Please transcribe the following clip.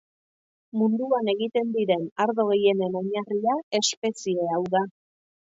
Munduan egiten diren ardo gehienen oinarria espezie hau da.